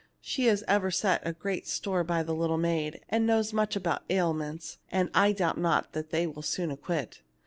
She has ever set great store by the little maid, and knows much about ailments ; and I doubt not they will be soon acquit."